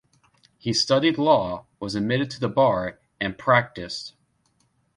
He studied law, was admitted to the bar, and practiced.